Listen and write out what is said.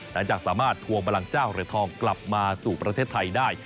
หลังจากสามารถทวงบลังเจ้าเหรียญทองกลับมาสู่ประเทศไทยได้